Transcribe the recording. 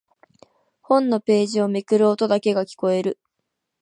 本のページをめくる音だけが聞こえる。